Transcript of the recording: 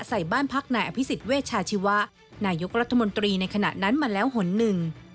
ใส่บ้านพักนายอภิษฎเวชาชีวะนายกรัฐมนตรีในขณะนั้นมาแล้วหนหนึ่ง